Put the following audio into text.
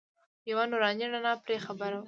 یوه نوراني رڼا پرې خپره وه.